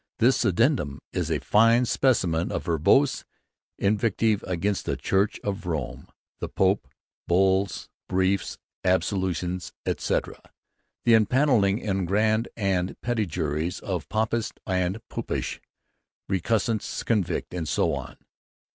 This addendum is a fine specimen of verbose invective against 'the Church of Rome,' the Pope, Bulls, Briefs, absolutions, etc., the empanelling 'en Grand and petty Jurys' of 'papist or popish Recusants Convict,' and so on.